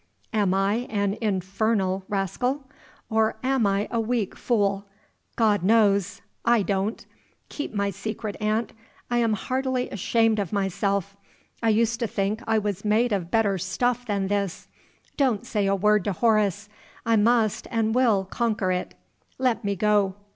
Am I an infernal rascal? or am I a weak fool? God knows I don't. Keep my secret, aunt. I am heartily ashamed of myself; I used to think I was made of better stuff than this. Don't say a word to Horace. I must, and will, conquer it. Let me go."